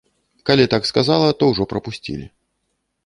Калі так сказала, то ўжо прапусцілі.